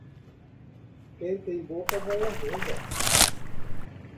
Quem tem boca vai a Roma.